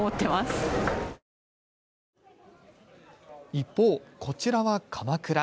一方、こちらは鎌倉。